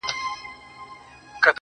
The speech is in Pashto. تا په لڅه سينه ټوله زړونه وړي~